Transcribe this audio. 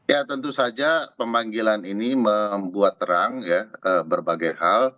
ya tentu saja pemanggilan ini membuat terang ya berbagai hal